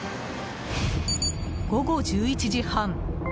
午後１１時半。